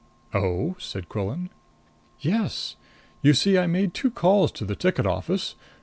"Oh?" said Quillan. "Yes. You see I made two calls to the ticket office.